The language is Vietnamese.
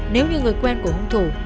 nếu như người quen của hung thủ